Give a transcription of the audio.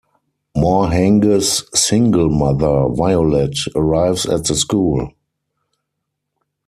Morhange's single mother, Violette, arrives at the school.